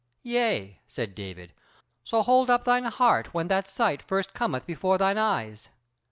"Yea," said David; "so hold up thine heart when that sight first cometh before thine eyes.